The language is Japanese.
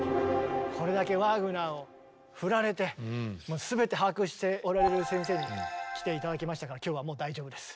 これだけワーグナーを振られてもう全て把握しておられる先生に来て頂きましたから今日はもう大丈夫です。